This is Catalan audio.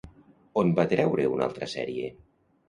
On va treure una altra sèrie?